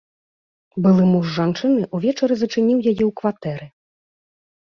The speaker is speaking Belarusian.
Былы муж жанчыны ўвечары зачыніў яе ў кватэры.